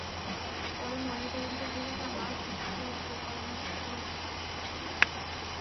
পরে ময়নাতদন্তের জন্য তাঁর লাশ দিনাজপুর মেডিকেল কলেজ হাসপাতাল মর্গে পাঠানো হয়।